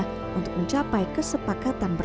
budi dpa ru pprt yangpus rakl dan prt sekolah ippat bancu